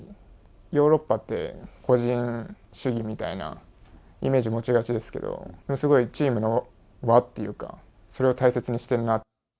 ヨーロッパって個人主義みたいなイメージ持ちがちですけれども、すごいチームの輪っていうか、それを大切にしているな。